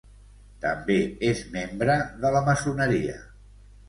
També és membre de la maçoneria.